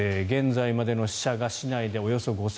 現在までの死者が市内でおよそ５０００人。